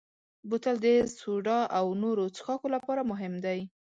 بوتل د سوډا او نورو څښاکو لپاره مهم دی.